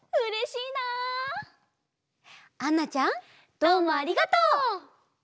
どうもありがとう！